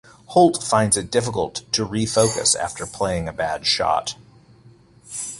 Holt finds it difficult to re-focus after playing a bad shot.